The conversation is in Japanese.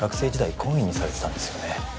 懇意にされてたんですよね？